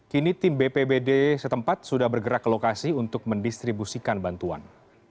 kini tim bpbd setempat sudah bergerak ke lokasi untuk mendistribusikan bantuan